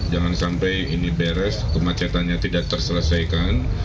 jangan sampai ini beres kemacetannya tidak terselesaikan